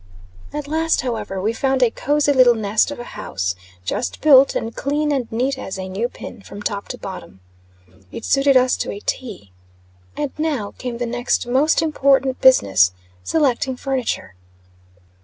At last, however, we found a cosey little nest of a house, just built, and clean and neat as a new pin, from top to bottom. It suited us to a T. And now came the next most important business selecting furniture.